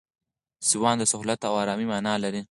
سوان د سهولت او آرامۍ مانا لري.